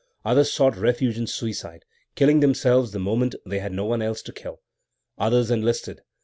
Others sought refuge in suicide, killing themselves the moment they had no one else to kill. Others enlisted.